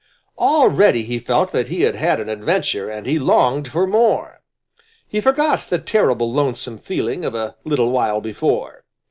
Already he felt that he had had an adventure and he longed for more. He forgot the terrible lonesome feeling of a little while before.